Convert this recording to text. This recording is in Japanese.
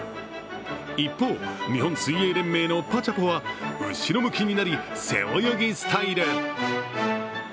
一方、日本水泳連盟のぱちゃぽは後ろ向きになり、背泳ぎスタイル。